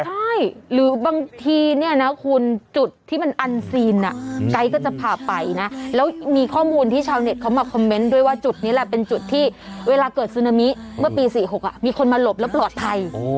ใช่หรือบางทีเนี่ยนะคุณจุดที่มันอันซีนไก๊ก็จะพาไปนะแล้วมีข้อมูลที่ชาวเน็ตเขามาคอมเมนต์ด้วยว่าจุดนี้แหละเป็นจุดที่เวลาเกิดซึนามิเมื่อปี๔๖มีคนมาหลบแล้วปลอดภัย